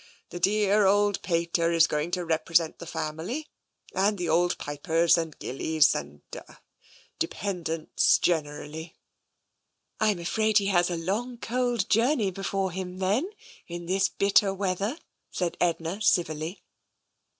The dear old pater is going to represent the family, and the old pipers and gillies and — er — dependents generally." " I am afraid he has a long, cold journey before him, then, in this bitter weather," said Edna civilly.